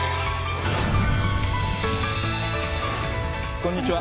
こんにちは。